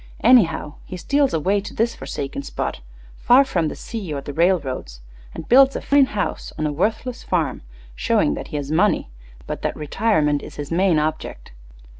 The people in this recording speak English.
Anyhow, he steals away to this forsaken spot, far from the sea or the railroads, and builds a fine house on a worthless farm, showing that he has money, but that retirement is his main object.